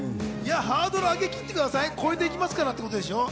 ハードル上げきってください。超えていきますからっていうことでしょう。